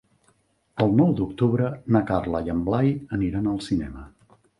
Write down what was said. El nou d'octubre na Carla i en Blai aniran al cinema.